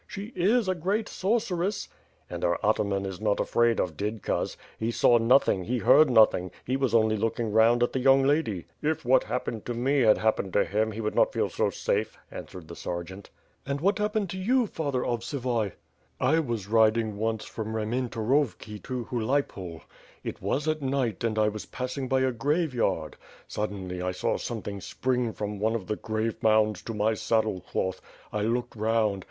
"She is a great sorceress.*' "And our Ataman is not afraid of ^didkas/ He saw nothing, he heard nothing; he was only looking round ait the young lady." "If what happened to me had happened to him, he would not feel so safe," answered the sergeant. "And what happened to you, Father Ovsivuy?" "I was riding once from Reimentaxovki to Hulaypol. It was at night and I was passing by a graveyard. Suddenly, I saw something spring from one of the grave mounds to my saddle cloth. I looked round.